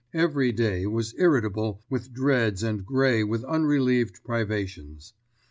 Every day was irritable with dreads and gray with unrelieved privations.